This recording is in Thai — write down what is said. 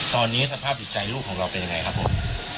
ตอนนี้สภาพจิตใจลูกของเราเป็นยังไงครับผม